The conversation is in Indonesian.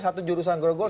satu jurusan grogol